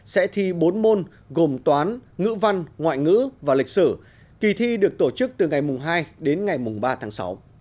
sẽ thi bốn môn gồm toán ngữ văn ngoại ngữ và lịch sử kỳ thi được tổ chức từ ngày hai đến ngày ba tháng sáu